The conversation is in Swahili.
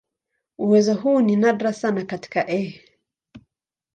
Uwezo huu ni nadra sana katika "E.